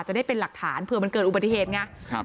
จะได้เป็นหลักฐานเผื่อมันเกิดอุบัติเหตุไงครับ